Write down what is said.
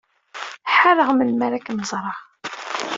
Ḥareɣ melmi ara kem-ẓreɣ.